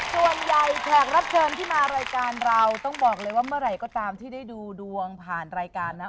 แขกรับเชิญที่มารายการเราต้องบอกเลยว่าเมื่อไหร่ก็ตามที่ได้ดูดวงผ่านรายการนะ